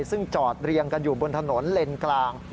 ซึ่งจอดเรียงกันอยู่บนถนนเลนกลาง